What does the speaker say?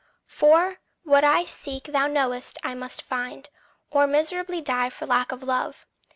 For, what I seek thou knowest I must find, Or miserably die for lack of love.